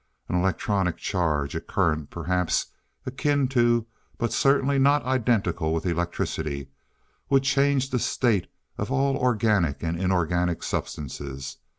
An electronic charge a current perhaps akin to, but certainly not identical with electricity, would change the state of all organic and inorganic substances